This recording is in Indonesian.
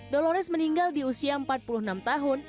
dolores meninggal di usia empat puluh enam tahun